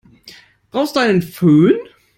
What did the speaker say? Brauchst du einen Fön?